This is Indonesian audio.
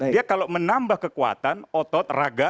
dia kalau menambah kekuatan otot raga